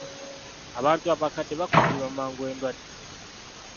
Abantu abakadde bakwatibwa mangu endwadde.